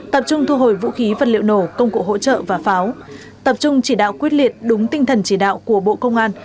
tập trung thu hồi vũ khí vật liệu nổ công cụ hỗ trợ và pháo tập trung chỉ đạo quyết liệt đúng tinh thần chỉ đạo của bộ công an